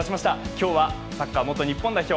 今日はサッカー元日本代表